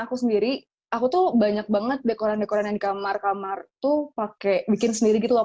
aku sendiri aku tuh banyak banget dekoran dekoran yang di kamar kamar tuh pakai bikin sendiri gitu loh